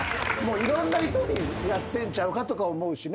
いろんな人にやってんちゃうかとか思うしね。